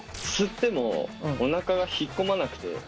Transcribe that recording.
吸ってもおなかが引っ込まなくて。